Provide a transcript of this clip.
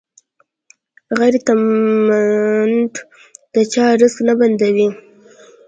غیرتمند د چا رزق نه بندوي